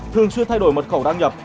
thường xuyên thay đổi mật khẩu đăng nhập